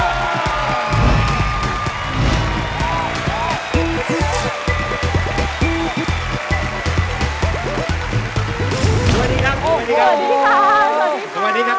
สวัสดีครับสวัสดีครับ